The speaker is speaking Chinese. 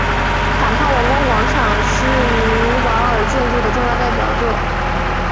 帕坦王宫广场是尼瓦尔建筑的重要代表作。